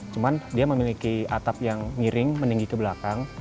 cuman dia memiliki atap yang miring meninggi ke belakang